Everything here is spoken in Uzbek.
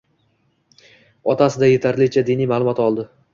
Otasidan yetarlicha diniy ma'lumot oldi.